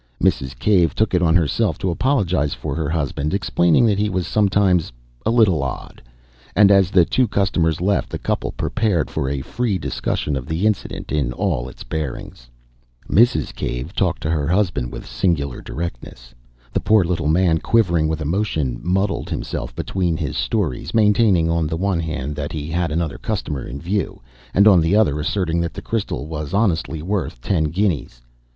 Mrs. Cave took it on herself to apologise for her husband, explaining that he was sometimes "a little odd," and as the two customers left, the couple prepared for a free discussion of the incident in all its bearings. Mrs. Cave talked to her husband with singular directness. The poor little man, quivering with emotion, muddled himself between his stories, maintaining on the one hand that he had another customer in view, and on the other asserting that the crystal was honestly worth ten guineas.